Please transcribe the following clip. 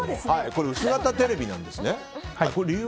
薄型テレビなんですね。